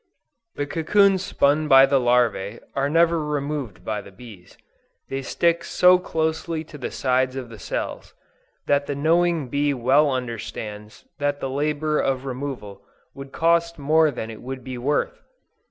The cocoons spun by the larvæ, are never removed by the bees; they stick so closely to the sides of the cells, that the knowing bee well understands that the labor of removal would cost more than it would be worth.